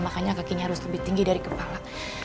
makanya kakinya harus lebih tinggi dari kepala